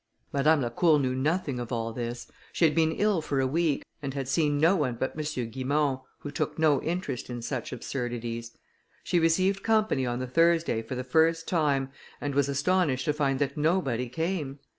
Madame Lacour knew nothing of all this; she had been ill for a week, and had seen no one but M. Guimont, who took no interest in such absurdities. She received company on the Thursday for the first time, and was astonished to find that nobody came.